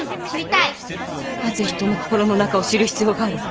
なぜ人の心の中を知る必要がある？